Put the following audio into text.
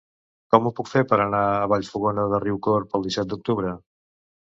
Com ho puc fer per anar a Vallfogona de Riucorb el disset d'octubre?